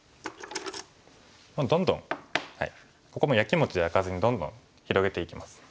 どんどんここもやきもち焼かずにどんどん広げていきます。